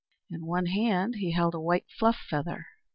In one hand he held a white fluff feather.